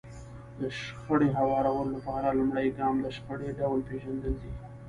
د شخړې هوارولو لپاره لومړی ګام د شخړې ډول پېژندل دي.